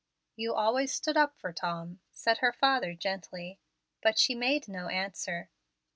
"You always stood up for Tom," said her father, gently. But she made no answer.